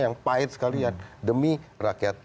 yang pahit sekalian demi rakyat